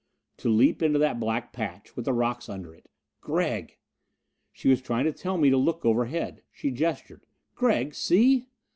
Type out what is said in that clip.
To leap into that black patch, with the rocks under it.... "Gregg " She was trying to tell me to look overhead. She gestured. "Gregg, see!"